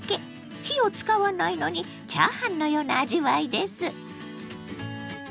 火を使わないのにチャーハンのような味わいです。